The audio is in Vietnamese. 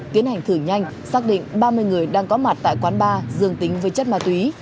tiến hành thử nhanh xác định ba mươi người đang có mặt tại quán bar dương tính với chất ma túy